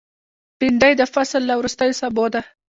بېنډۍ د فصل له وروستیو سابو ده